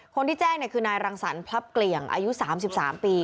คนที่แจ้งคือนายรังสรรพลับเกลี่ยงอายุ๓๓ปี